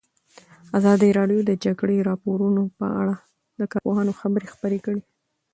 ازادي راډیو د د جګړې راپورونه په اړه د کارپوهانو خبرې خپرې کړي.